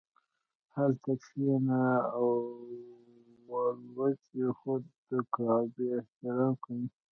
هلته کښیني والوځي خو د کعبې احترام کوي.